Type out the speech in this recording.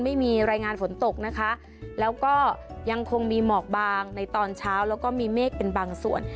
ไม่มีรายงานฝนตกนะคะแล้วก็ยังคงมีหมอกบางในตอนเช้าแล้วก็มีเมฆเป็นบางส่วน